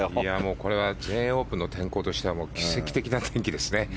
これは全英オープンの気候としては奇跡的な天気ですね。